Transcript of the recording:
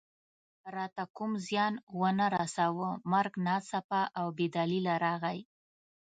راته کوم زیان و نه رساوه، مرګ ناڅاپه او بې دلیله راغی.